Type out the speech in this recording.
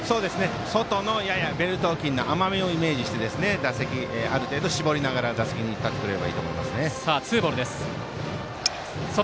外のややベルト付近の甘めをイメージしてある程度絞りながら打席に立ってくるといいと思います。